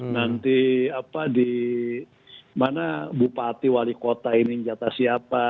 nanti apa di mana bupati wali kota ini jatah siapa